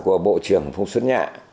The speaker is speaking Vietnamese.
của bộ trưởng phong xuân nhạ